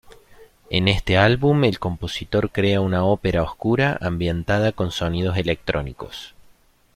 En este álbum el compositor crea una ópera oscura, ambientada con sonidos electrónicos.